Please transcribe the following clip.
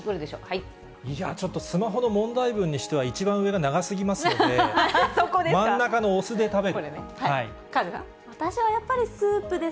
いや、ちょっとスマホの問題文にしては、一番上が長すぎますので、これね。